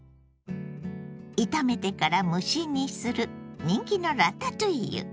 炒めてから蒸し煮する人気のラタトゥイユ。